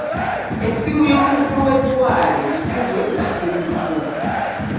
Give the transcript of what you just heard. Essimu y'omukulu w'ettwale ngikubye nga teriiko.